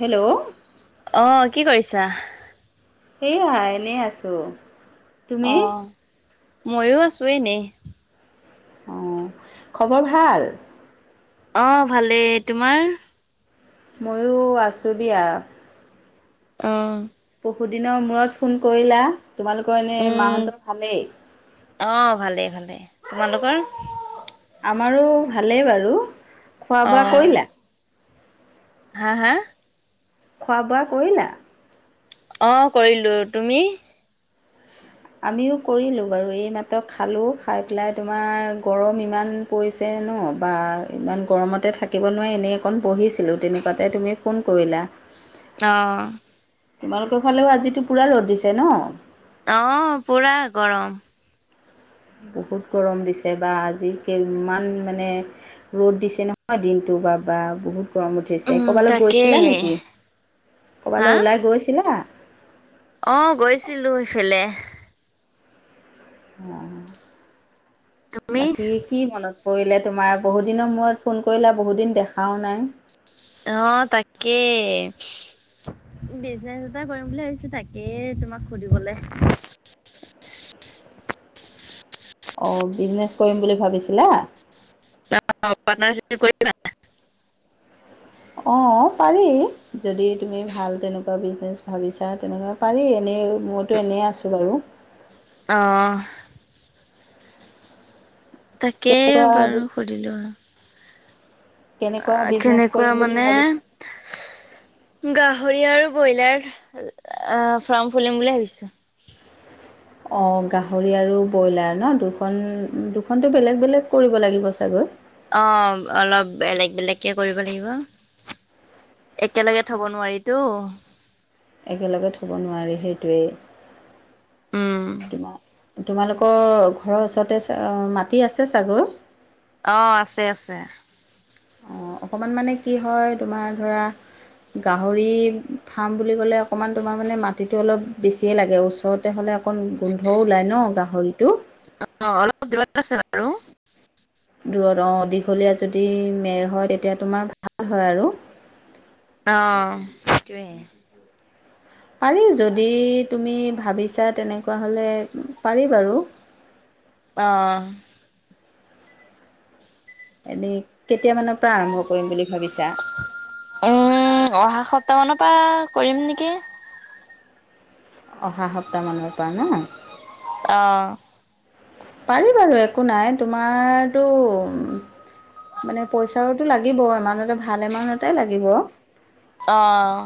Hello. অহ কি কৰিছা? সেইয়া এনেই আছোঁ। অ তুমি ময়ো আছোঁ এনেই। অ খবৰ ভাল? অ ভালেই তোমাৰ? ময়ো আছোঁ দিয়া। অ বহুদিনৰ মূৰত ফোন কৰিলা। তোমালোকৰ এনে উম, মাহতৰ ভালেই? অ', ভালে ভালে তোমালোকৰ? আমাৰো ভালেই বাৰু খোৱা বোৱা অ'। কৰিলা? হা হা। খোৱা বোৱা কৰিলা? অ কৰিলোঁ তুমি। আমিও কৰিলোঁ বাৰু এই মাত্ৰ খালোঁ খাই পেলাই তোমাৰ গৰম ইমান পৰিছে। ন বা ইমান গৰমতে থাকিব নোৱাৰে এনেই অকণ বহিছিলোঁ। তেনেকোৱাতে তুমি ফোন কৰিলা। অ। তোমালোকৰ ফালেও আজিতো পুৰা ৰ'দ দিছে ন? অ পুৰা গৰম। বহুত গৰম দিছে বা আজি ইমান মানে ৰ'দ দিছে নহয় দিনটো। বা বা বহুত। গৰম উঠিছে উম, ক'ৰবালৈ গৈছিলা তাকেহে। নেকি? হা ক'ৰবালৈ ওলাই গৈছিলা? অ গৈছিলোঁ সেইফালে। অ তুমি? বাকী কি মনত। পৰিলে তোমাৰ বহুদিনৰ মূৰত ফোন কৰিলা বহুতদিন দেখাও নাই। অহ, তাকে। বিজনেছ এটা কৰিম বুলি ভাবিছো তাকেই তোমাক সুধিবলে [inaudible] অহ, বিজনেছ কৰিম বুলি ভাবিছিলা? [unintelligible] অ', পাৰি যদি তুমি ভাল তেনেকোৱা বিজনেছ ভাবিছা তেনেকোৱা পাৰি এনেই মইতো এনেই আছোঁ বাৰু। অহ। তাকেই কেনেকুৱা বাৰু সুধিলো আৰু। কেনেকুৱা অ' বিজনেছ কেনেকোৱা কৰিম বুলি মানে ভাবিছা গাহ ৰি আৰু ব্ৰইলাৰ ফাৰ্ম খুলিম বুলি ভাবিছোঁ। অহ, গাহৰি আৰু ব্ৰইলাৰ ন দুখন- দুখনটো বেলেগ -বেলেগ কৰিব লাগিব চাগৈ অহ, অলপ বেলেগ -বেলেগকে কৰিব লাগিব। একেলগে থব নোৱাৰিতো। একেলগে থ'ব নোৱাৰি সেইটোৱেই। উম। তোমাৰ তোমালোকৰ ঘৰৰ ওচৰতে মাটি আছে চাগৈ অহ, আছে -আছে। অহ, অকমান মানে কি হয় তোমাৰ ধৰা গাহৰি ফাৰ্ম বুলি ক'লে অকমান মানে মাটিটো অলপ বেছিয়ে লাগে ওচৰতে হ'লে অকন গোন্ধ ওলাই ন' গাহৰিটো অহ, অলপ দূৰত আছে বাৰু। দূৰত অহ দীঘলীয়া যদি মেৰ হয় তেতিয়া তোমাৰ ভাল হয় আৰু। আহ, সেইটোৱে। পাৰি যদি তুমি ভাবিছা তেনেকুৱা হ'লে পাৰি বাৰু অহ এনে কেতিয়ামানৰ পৰা আৰম্ভ কৰিম বুলি ভাবিছা? উম, অহা সপ্তাহ মানৰ পৰা কৰিম নেকি? অহা সপ্তাহমানৰ পৰা ন'? অ' পাৰি বাৰু একো নাই তোমাৰতো মানে পইচাওতো লাগিব এমাইউন্ট ভাল এমাউণ্টত এটাই লাগিব। অহ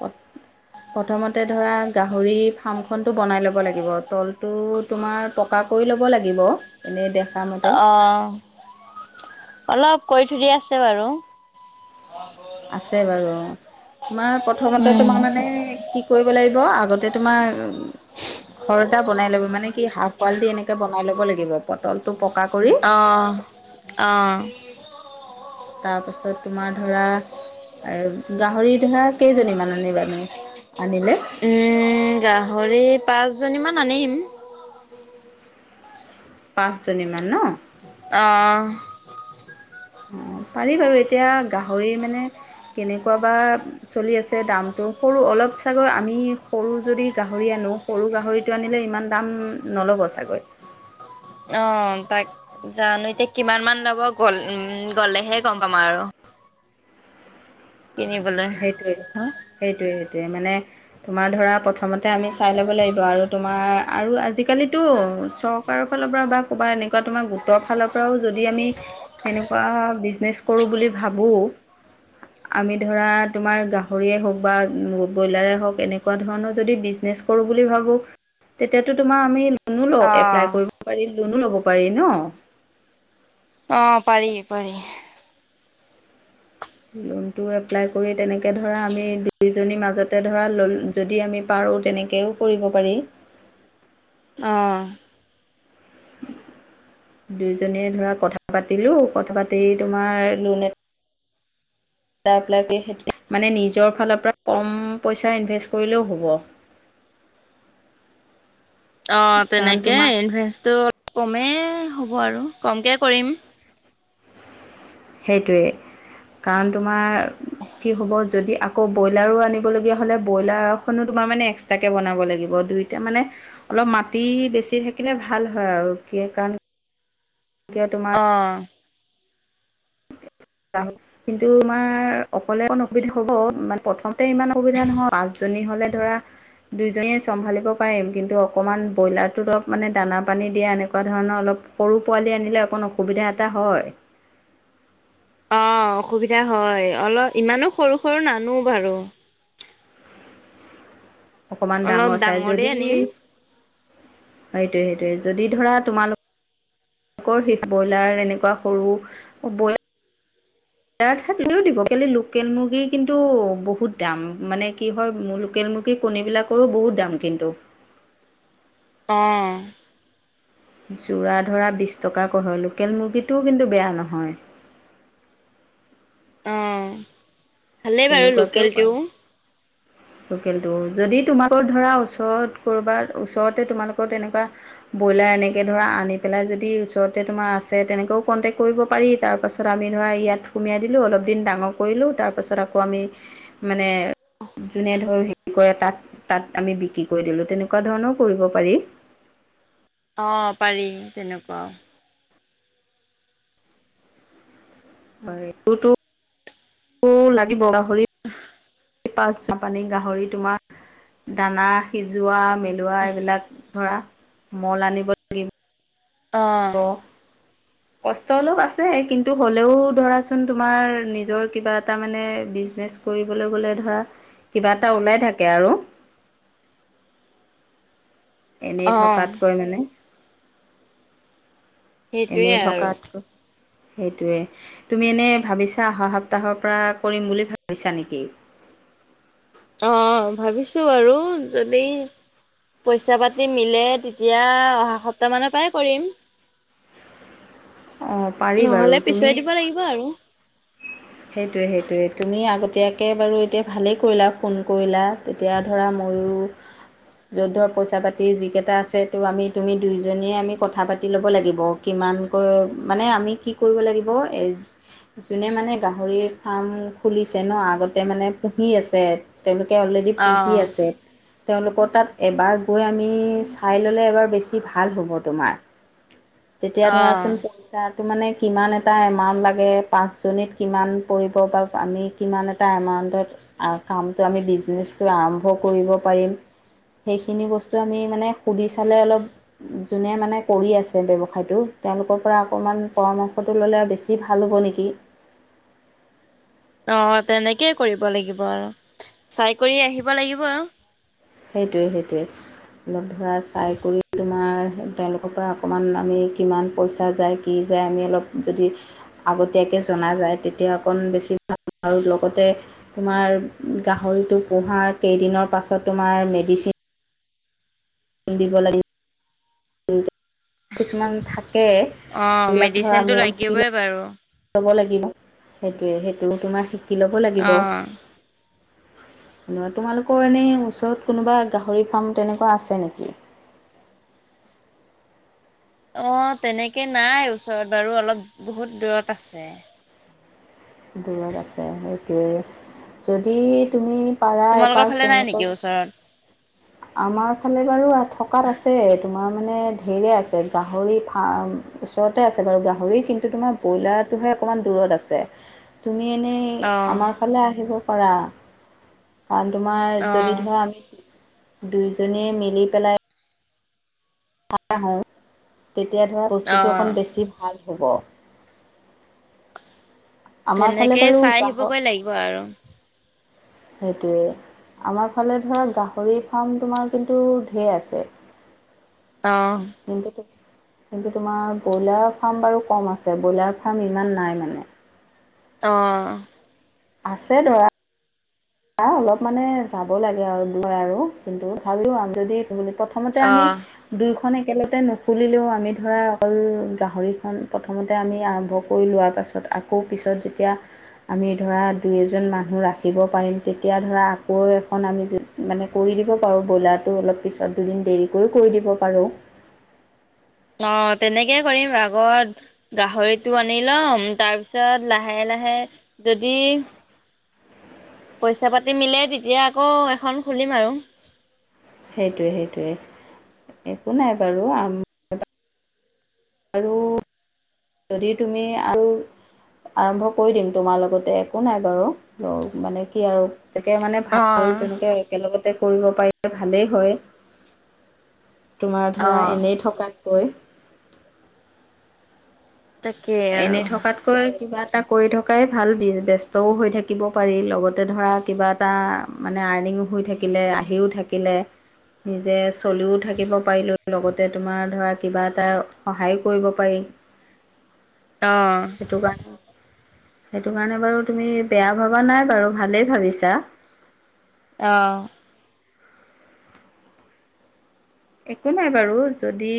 প্ৰথমতে ধৰা গাহৰি ফ্ৰাম খন টো বনাই ল'ব লাগিব তলটো তোমাৰ পকা কৰি ল'ব লাগিব এনেই দে অহ, অলপ কৰি থৈ দিয়া আছে বাৰু আছে বাৰু তোমাৰ প্ৰথমতে উম, তোমাৰ মানে কি কৰিব লাগিব আগতে তোমাৰ ঘৰ এটা বনাই লব মানে কি হাফ ওৱাল দি এনেকে বনাই ল'ব লাগিব পতলটো অহ - অহ তাৰপাছত তোমাৰ ধৰা এ গাহৰি ধৰা কেইজনীমান আনিবানো আনিলে? উম, গাহৰি পাঁচ জনী মান আনিম। পাঁচজনী মান ন'। অহ পাৰি বাৰু এতিয়া গাহৰি মানে কেনেকুৱা বা চলি আছে দামটো সৰু অলপ ছাগৈ আমি সৰু যদি গাহৰি আনি নো সৰু গাহৰিটো আনিলে ইমান দাম নল'ব চাগৈ। [inaudible] অহ, তাক জানো এতিয়া কিমান মান ল'ব গল উম গ'লেহে গম পাম আৰু। কিনিবলৈ। সেইটোয়ে সেইটোয়ে মানে তোমাৰ ধৰা প্ৰথমতে আমি চাই ল'ব লাগিব আৰু তোমাৰ আৰু আজিকালিতো চৰকাৰৰ ফালৰ পৰা বা কবা এনেকুৱা তোমাৰ গোটৰ ফালৰ পৰাও যদি আমি তেনেকুৱা বিজনেছ কৰোঁ বুলি ভাবোঁ আমি ধৰা তোমাৰ গাহৰিয়ে হওক বা ব্ৰইলাৰে হওক এনেকুৱা ধৰণৰ যদি বিজনেছ কৰোঁ বুলি ভাবোঁ। তেতিয়াতো তোমাৰ আমি লোনো লব এপ্লাই অ', কৰিব পাৰি লোনো ল'ব পাৰি ন অ পাৰি পাৰি লোনটো এপ্লাই কৰি তেনেকে ধৰা আমি দুইজনীৰ মাজতে ধৰা ল যদি আমি পাৰ আৰু তেনেকৈও কৰিব পাৰি। আহ [inaudible] দুইজনীয়ে ধৰা কথা পাতিলো কথা পাতি তোমাৰ লোন এ মানে নিজৰ ফালৰ পৰা কম পইচা ইনভেষ্ট কৰিলেও হ'ব। [inaudible] অ কাৰণ তেনেকে তোমাৰ ইনভেষ্টটো কমেই হ'ব আৰু। কমকে কৰিম। সেইটোৱেই। কাৰণ তোমাৰ কি হব যদি আকৌ ব্ৰইলাৰো আনিব লগীয়া হলে, ব্ৰইলাৰ খনো তোমাৰ মানে এক্সট্ৰাকে বনাব লাগিব। দুইটা মানে অলপ মাটি বেছি থাকিলে ভাল হয় আৰু কি কাৰণ, কিয় তোমাৰ অ। কিন্তু তোমাৰ অকলে অকণ অসুবিধা হ'ব, মানে প্ৰথম ইমান অসুবিধা নহয়। পাঁচজনী হ'লে ধৰা, দুইজনীয়ে চম্ভালিব পাৰিম। কিন্তু অকনমান ব্ৰইলাৰটো অলপ মানে দানা পানী দিয়া, এনেকুৱা ধৰণৰ অলপ সৰু পোৱালি আনিলে অকণ অসুবিধা এটা হয়। [unintelligible] অ অসুবিধা হয়। অলপ ইমানো সৰু সৰু নানো বাৰু। অকমান অলপ ডাঙৰ চাই। ডাঙৰে যদি আনিম। সেইটোয়ে সেইটোয়ে। যদি ধৰা তোমালোক মাকৰ হিট ব্ৰইলাৰ এনেকুৱা সৰু বইলা- এনেইও দিব কেলে লোকেল মুৰ্গীৰ কিন্তু বহুত দাম। মানে কি হয় মোৰ লোকেল কণীবিলাকৰো বহুত দাম কিন্তু। অ। যোৰা ধৰা বিশ টকাকৈ হয়। লোকেল মুৰ্গীটোও কিন্তু বেয়া নহয়। [unintelligible] অ ভালেই বাৰু তেনেকুৱাকৈও পায় লোকেলটোও। লোকেলটো। যদি তোমালোকৰ ধৰা ওচৰত কৰবাত ওচৰতে তোমালোকৰ তেনেকুৱা ব্ৰইলাৰ এনেকৈ ধৰা আনি পেলাই যদি ওচৰতে তোমাৰ আছে, তেনেকৈও কণ্টেক্ট কৰিব পাৰি। তাৰপাছত আমি ধ- ধৰা ইয়াত সুমিয়াই দিলোঁ, অলপ দিন ডাঙৰ কৰিলোঁ, তাৰপাছত আকৌ আমি মানে যোনে ধৰ হেৰি কৰে তাত তাত আমি বিক্ৰী কৰি দিলোঁ। তেনেকোৱা ধৰণৰও কৰিব পাৰি। অ পাৰি তেনেকুৱাও। লাগিব। [unintelligible] পাচ পানী গাহৰি তোমাৰ দানা সিজোৱা, মেলোৱা এইবিলাক ধৰা মল আনিব লা- অ। কষ্ট অলপ আছে। কিন্তু হ'লেও ধৰাচোন তোমাৰ নিজৰ কিবা এটা মানে বিজনেছ কৰিবলে ধৰা কিবা এটা ওলাই থাকে আৰু। [unintelligible] এনেই অ', থকাতকৈ মানে, সেইটোৱে এনেই আৰু থকাতকৈ সেইটোৱে। তুমি এনেই ভাবিছা অহা সপ্তাহৰ পৰা কৰিম বুলি ভাবিছা নেকি? অ ভাবিছো আৰু যদি পইচা পাতি মিলে তেতিয়া অহা সপ্তাহ মানৰ পৰাই কৰিম। অঁ পাৰি বাৰু নহলে পিছুৱাই দিব লাগিব আৰু। সেইটোয়ে সেইটোয়ে তুমি আগতিয়াকে বাৰু এতিয়া ভালেই কৰিলা, ফোন কৰিলা। তেতিয়া ধৰা ম- আৰু য' ধৰ পইচা পাতি যি কেইটা আছে ত আমি তুমি দুইজনীয়ে আমি কথা পাতি লব লাগিব, কিমান মানে আমি কি কৰিব লাগিব, মানে গাহৰি ফাৰ্ম খুলিছে ন, আগতে মানে পুহি আছে। তেওঁলোক কে অলৰেডি পুহি অ', আছে। তেওঁলোকৰ তাত এবাৰ গৈ আমি চাই ল'লে এবাৰ বেছি ভাল হ'ব তোমাৰ। তেতিয়া অ', ধৰাচোন পইচাটো মানে কিমান এটা এমাউন্ট লাগে পাঁচ জনীত। কিমান পৰিব বা আমি কিমান এটা এমাউণ্টত কামটো আমি বিজনেচটো আৰম্ভ কৰিব পাৰিম। সেইখিনি বস্তু আমি মানে সুধি চালে অলপ যোনে মানে কৰি আছে ব্যৱসায়টো তেওঁলোকৰ পৰা অকণমান পৰামৰ্শটো ল'লে বেছি ভাল হ'ব নেকি। অ তেনেকেই কৰিব লাগিব আৰু চাই কৰি আহিব লাগিব আৰু সেইটোৱে সেইটোৱে লগ ধৰা চাই কৰি তোমাৰ তেওঁলোকৰ পৰা অকমান আমি কিমান পইচা যায় কি যে আমি অলপ যদি আগতীয়াকৈ জনা যায় তেতিয়া অকণ বেছি ভাল আৰু লগতে তোমাৰ গাহৰিটো পোহা কেইদিনৰ পাছত তোমাৰ মেডিচিন দিব লাগিব। কিছুমান থাকে অ', সেইবিলাক ধৰা মেডিচিনটো আমি অ শিকিলো লাগিবই বাৰু ল'ব লাগিব সেইটোৱে সেইটো তোমাৰ শিকি ল'ব লাগিব। অ'। [inaudible] তোমালোকৰ এনেই ওচৰত কোনোবা গাহৰি ফাৰ্ম তেনেকুৱা আছে নেকি? [inaudible] অ তেনেকে নাই ওচৰত বাৰু অলপ বহুত দূৰত আছে। দূৰত আছে সেইটোৱে যদি তুমি পাৰা তোমালোকৰ এপাঁক ফালে নাই নেকি তেওঁলোকৰ ওচৰত? আমাৰ ফালে বাৰু থকাত আছে তোমাৰ মানে ঢেৰে আছে গাহৰি ফাৰ্ম ওচৰতে আছে বাৰু গাহৰি কিন্তু তোমাৰ ব্ৰইলাৰটোহে অকণমান দূৰত আছে তুমি আমি এনেই অ', আমাৰ ফালে আহিব পাৰা কাৰণ তোমাৰ যদি অ', ধৰা আমি দুইজনীয়ে মিলি পেলাই আহো তেতিয়া ধৰা বস্তুটো অ', অকণ বেছি ভাল হ'ব। আমাৰ ফালে তেনেকে বাৰু চাই গাহৰ আহিবগৈ লাগিব আৰু সেইটোৱে আমাৰ ফালে ধৰা গাহৰি ফাৰ্ম তোমাৰ কিন্তু ঢেৰ আছে। অঁ কিন্তু কিন্তু তোমাৰ ব্ৰইলাৰ ফাৰ্ম বাৰু কম আছে ব্ৰইলাৰ ফাৰ্ম ইমান নাই মানে। অঁ আছে দৰা অলপ মানে যাব লাগে আৰু দৈ আৰু কিন্তু তথাপিও আম যদি প্ৰথমতে আমি অ'। দুইখ- খন একেলগতে নুখুলিলেও আমি ধৰা অকল গাহৰিখন প্ৰথমতে আমি আৰম্ভ কৰি লোৱাৰ পাছত আকৌ পিছত যেতিয়া আমি ধৰা দুই এজন মানুহ ৰাখিব পাৰিম। তেতিয়া ধৰা আকৌ এখন আমি মানে কৰি দিব পাৰোঁ ব্ৰইলাৰটো অলপ পিছত দুদিন দেৰিকৈ কৰোঁ। দিব পাৰোঁ। [inaudible] অ তেনেকে কৰিম আগত গাহৰিটো আনি ল'ম তাৰপিছত লাহে লাহে যদি পইচা পাতি মিলে তেতিয়া আকৌ এখন খুলিম আৰু। সেইটোৱে সেইটোৱে একো নাই বাৰু আ আৰু যদি তুমি আৰু আৰম্ভ কৰি দিম তোমাৰ লগতে একো নাই বাৰু মানে কি আৰু। তাকে মানে ভাল অ', তেনেকে একেলগতে। কৰিব পাৰিলে ভালেই হয় তোমাৰ ধৰা অ', এনেই থকাতকৈ। তাকেই আৰু এনে থকাতকৈ কিবা। এটা কৰি থকাই ভাল ব্যস্তও হৈ থাকিব পাৰি লগতে ধৰা কিবা এটা মানেই। এনেকৈ শুই থাকিলে নিজে চলিও থাকিব পাৰিব। লগতে তোমাৰ ধৰা কিবা এটা সহায়ো কৰিব পাৰি। অ'। সেইটো কাৰণে। সেইটো কাৰণে বাৰু তুমি বেয়া ভবা নাই বাৰু ভালেই ভাবিছা। আহ একো নাই বাৰু যদি।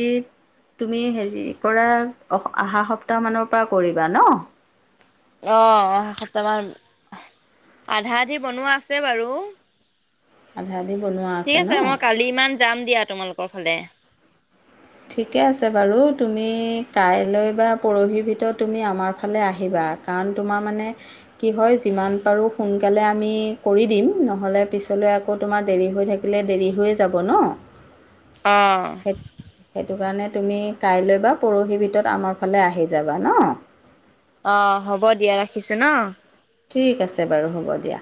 তুমি হেৰি কৰা অ অহা সপ্তাহ মানৰ পৰা কৰিবা ন। অ সটামান আধা আধি বনোৱা আছে বাৰু। আধা। আধি বনোৱা ঠিক ন আছে মই কালি ইমান যাম দিয়া তোমালোকৰ ফালে। ঠিকে আছে বাৰু তুমি কাইলৈ বা পৰহিৰ ভিতৰত তুমি আমাৰ ফালে আহিবা। আ কাৰণ তোমাৰ মানে কি হয় যিমান পাৰোঁ সোনকালে আমি কৰি দিম নহলে পিছত। পিছলৈ আকৌ তোমাৰ দেৰি হৈ থাকিলে দেৰি হৈয়ে যাব ন। আহ। সেই সেইটো কাৰণে তুমি কাইলৈ বা পৰহিৰ ভিতৰত আমাৰ ফালে আহি যাবা ন। অ হ'ব দিয়া ৰাখিছো ন। ঠিক আছে বাৰু হ'ব দিয়া।